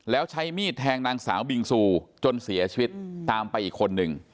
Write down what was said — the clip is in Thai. แล้วใช้มีดแทงนางสาวบิงซูจนเสียชีวิตตามไปอีกคนนึง